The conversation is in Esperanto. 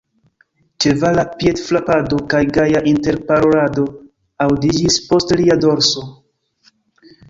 Ĉevala piedfrapado kaj gaja interparolado aŭdiĝis post lia dorso.